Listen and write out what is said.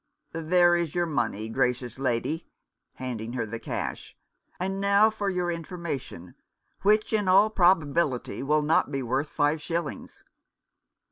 " There is your money, gracious lady "— handing her the cash — "and now for your information, which in all probability will not be worth five shillings."